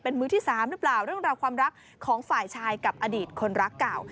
เป็นมื้อที่สามน่ะเปล่าเรื่องรักความรักของฝ่ายชายกับอดีตคนรักเก่า